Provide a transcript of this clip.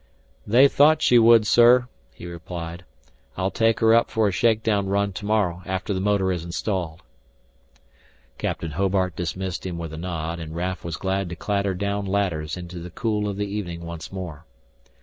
"They thought she would, sir," he replied. "I'll take her up for a shakedown run tomorrow after the motor is installed." Captain Hobart dismissed him with a nod, and Raf was glad to clatter down ladders into the cool of the evening once more.